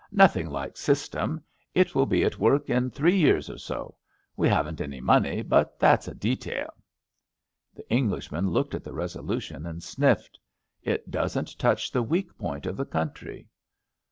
Noth ing like system. It will be at work in three years or so. We haven ^t any money, but that's a de tail.'' The Englishman looked at the resolution and sniffed. It doesn't touch the weak point of the country."